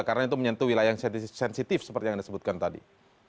karena itu menyentuh wilayah yang sensitif seperti yang disebutkan tadi